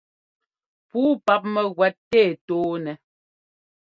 Puu páp mɛ́gúɛ́t tɛ́ tɔɔnɛ́.